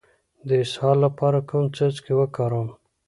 د اسهال لپاره کوم څاڅکي وکاروم؟